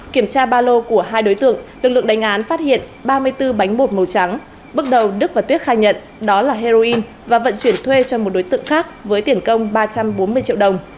kiểm tra ba lô của hai đối tượng lực lượng đánh án phát hiện ba mươi bốn bánh bột màu trắng bước đầu đức và tuyết khai nhận đó là heroin và vận chuyển thuê cho một đối tượng khác với tiền công ba trăm bốn mươi triệu đồng